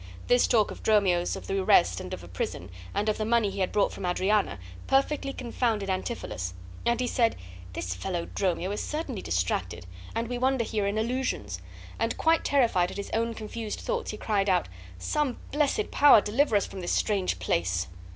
This talk of Dromio's of the arrest and of a prison, and of the money he had brought from Adriana, perfectly confounded Antipholus, and he said, "This fellow Dromio is certainly distracted, and we wander here in illusions," and, quite terrified at his own confused thoughts, he cried out, "Some blessed power deliver us from this strange place!"